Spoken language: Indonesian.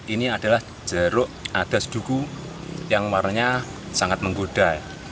ini adalah jeruk adas duku yang warnanya sangat menggoda